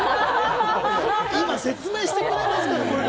今、説明していますから！